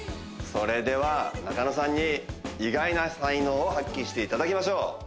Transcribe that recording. それでは中野さんに意外な才能を発揮していただきましょう